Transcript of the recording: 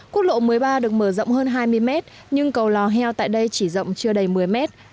quốc lộ một mươi ba được mở rộng hơn hai mươi mét nhưng cầu lò heo tại đây chỉ rộng chưa đầy một mươi mét